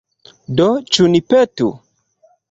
Do, ĉu ni petu?